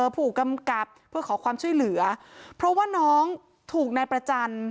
ผู้กำกับเพื่อขอความช่วยเหลือเพราะว่าน้องถูกนายประจันทร์